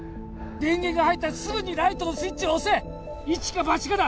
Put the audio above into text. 電源が入ったらすぐにライトのスイッチを押せ一か八かだ